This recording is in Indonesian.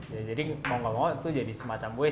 ya jadi mau gak mau itu jadi semacam gue